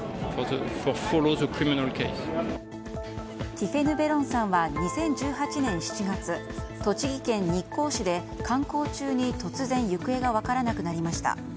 ティフェヌ・ベロンさんは２０１８年７月栃木県日光市で観光中に突然行方が分からなくなりました。